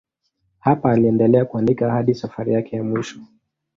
Hapa aliendelea kuandika hadi safari yake ya mwisho.